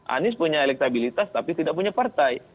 anies punya elektabilitas tapi tidak punya partai